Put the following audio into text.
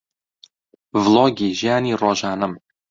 ڤڵۆگی ژیانی ڕۆژانەم